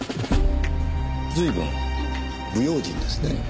随分無用心ですねぇ。